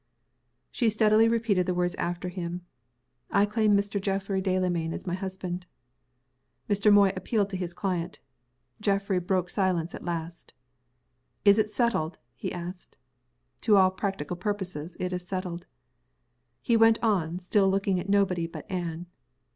She steadily repented the words after him. "I claim Mr. Geoffrey Delamayn as my husband." Mr. Moy appealed to his client. Geoffrey broke silence at last. "Is it settled?" he asked. "To all practical purposes, it is settled." He went on, still looking at nobody but Anne.